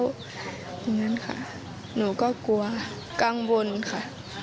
อย่างนั้นค่ะหนูก็กลัวกังวลค่ะ